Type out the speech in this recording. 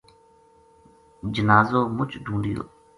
جنازو مُچ ڈھُونڈیو